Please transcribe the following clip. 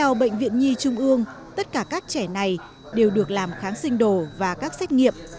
tại bệnh viện nhi trung ương tất cả các trẻ này đều được làm kháng sinh đồ và các xét nghiệm